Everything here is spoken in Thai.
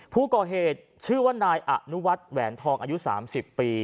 ผู้ก่อเหตุชื่อว่านายอนุวัฒน์แหวนทองอายุ๓๐ปี